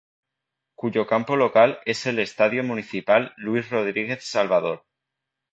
Cuyo campo local es el "Estadio Municipal Luís Rodríguez Salvador".